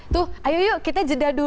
tuh ayo yuk kita jeda dulu